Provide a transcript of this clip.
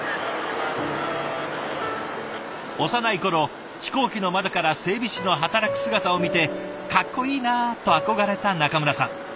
幼い頃飛行機の窓から整備士の働く姿を見て「かっこいいな」と憧れた中村さん。